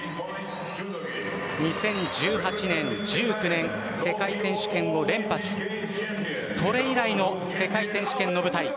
２０１８年、１９年世界選手権を連覇しそれ以来の世界選手権の舞台。